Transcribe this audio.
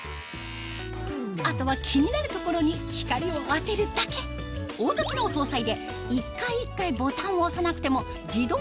あとは気になる所に光を当てるだけオート機能搭載で一回一回ボタンを押さなくても自動で照射